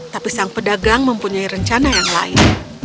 tapi sang pedagang mempunyai rencana yang lain